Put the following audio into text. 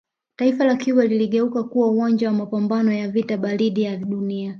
Taifa la Cuba liligeuka kuwa uwanja wa mapamabano ya vita baridi vya dunia